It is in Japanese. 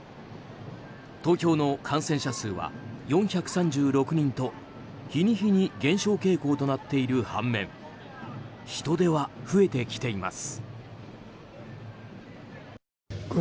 東京の感染者数は４３６人と日に日に減少となっている反面人出は増えてきています。